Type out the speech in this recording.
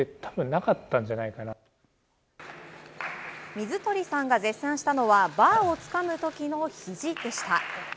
水鳥さんが絶賛したのはバーをつかむ時のひじでした。